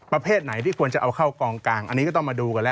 ประเภทไหนที่ควรจะเอาเข้ากองกลางอันนี้ก็ต้องมาดูกันแล้ว